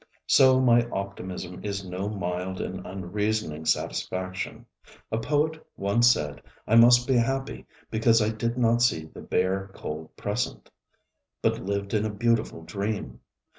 So my optimism is no mild and unreasoning satisfaction. A poet once said I must be happy because I did not see the bare, cold present, but lived in a beautiful dream.